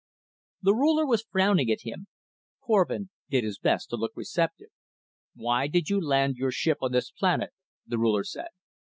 The Ruler was frowning at him. Korvin did his best to look receptive. "Why did you land your ship on this planet?" the Ruler said.